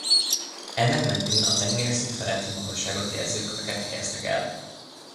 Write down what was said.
Ennek mentén a tengerszint feletti magasságot jelző köveket helyeztek el.